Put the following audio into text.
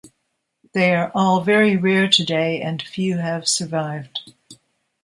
They are all very rare today and few have survived.